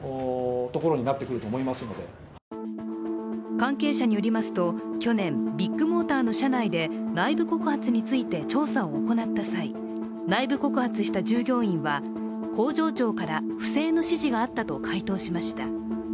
関係者によりますと去年、ビッグモーターの社内で内部告発について、調査を行った際内部告発した従業員は工場長から不正の指示があったと回答しました。